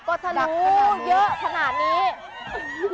ก็ถ้านับผู้เยอะขนาดนี้